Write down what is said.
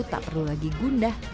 tak perlu lagi gundah